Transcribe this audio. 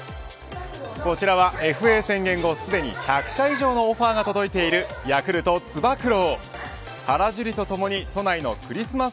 こちらはＦＡ宣言後２００社以上のオファーが届いているヤクルトつば九郎。